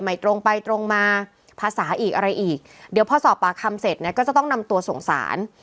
ตรงไปตรงมาภาษาอีกอะไรอีกเดี๋ยวพอสอบปากคำเสร็จเนี่ยก็จะต้องนำตัวส่งสาร